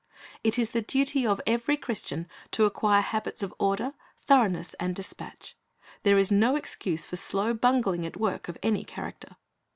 It is the duty of every Christian to acquire habits of order, thoroughness, and dispatch. There is no excuse for slow bungling at work of any character.